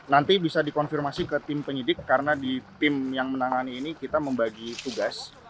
nanti bisa dikonfirmasi ke tim penyidik karena di tim yang menangani ini kita membagi tugas